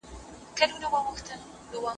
زه سم مجـرم يــمه اقــرار كــــــومـــــــــــه